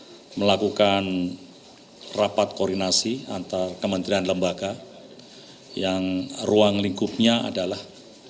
kita melakukan rapat koordinasi antar kementerian lembaga yang ruang lingkupnya adalah